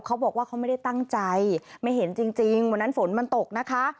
เขาบอกว่าเขาไม่ได้ตั้งใจไม่เห็นจริงวันนั้นฝนมันตกนะคะ